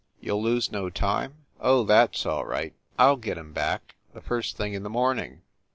You ll lose no time?" "Oh, that s all right, I ll get em back, the first thing in the morning."